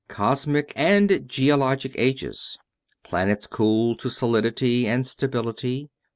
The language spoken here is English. Cosmic and geologic ages. Planets cooled to solidity and stability.